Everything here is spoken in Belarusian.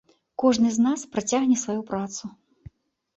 Кожны з нас працягне сваю працу.